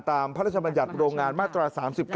พระราชบัญญัติโรงงานมาตรา๓๙